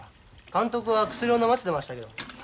監督が薬をのませてましたけど。